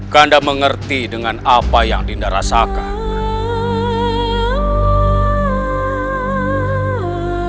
kanda mengerti dengan apa yang dinda rasakan